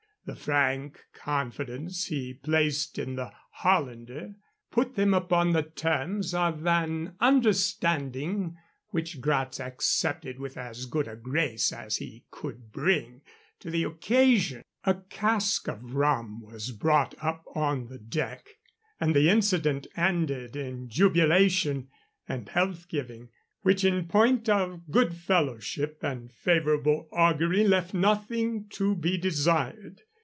The frank confidence he placed in the Hollander put them upon the terms of an understanding which Gratz accepted with as good a grace as he could bring to the occasion. A cask of rum was brought up on the deck and the incident ended in jubilation and health giving, which in point of good fellowship and favorable augury left nothing to be desired.